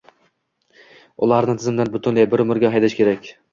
Ularni tizimdan butunlay, bir umrga haydash kerak.